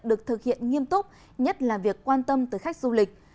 được thực hiện nghiêm túc nhất là việc quan tâm tới khách du lịch